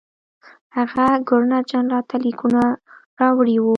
هغه ګورنرجنرال ته لیکونه راوړي وو.